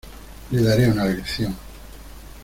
Le daré una lección.